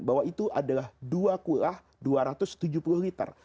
bahwa itu adalah dua kulah dua ratus tujuh puluh liter